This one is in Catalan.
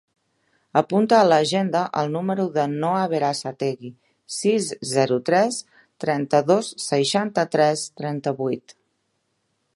Apunta a l'agenda el número del Noah Berasategui: sis, zero, tres, trenta-dos, seixanta-tres, trenta-vuit.